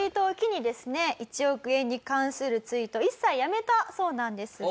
１億円に関するツイートを一切やめたそうなんですが。